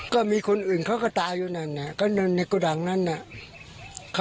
ก็มีคนอื่นเขาก็ตายอยู่นั่นน่ะ